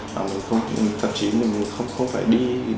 thậm chí mình không phải đi đến tận các tour lữ hành để mình xem hình ảnh các thứ